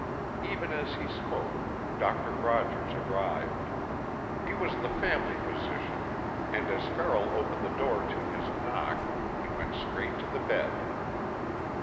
Even as he spoke, Doctor Rogers arrived. He was the family physician, and as Farrell opened the door to his knock, he went straight to the bed.